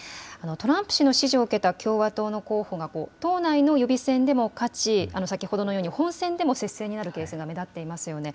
トランプ氏の支持を受けた共和党の候補が党内の予備選でも勝ち、先ほどのように本選でも接戦になるケースが目立っていますよね。